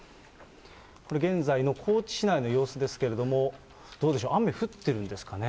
これ現在の高知市内の様子ですけれども、どうでしょう、雨降っているんですかね。